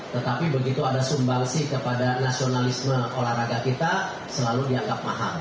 tetapi begitu ada sumbangsi kepada nasionalisme olahraga kita selalu dianggap mahal